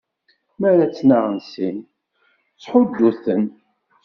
Mi ara ttnaɣen sin, ttḥuddu-ten!